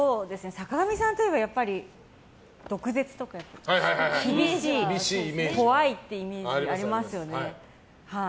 坂上さんといえば毒舌とか、厳しい怖いっていうイメージありますよね。